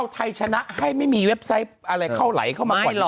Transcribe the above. ไทยชนะให้ไม่มีเว็บไซต์อะไรเข้าไหลเข้ามาก่อน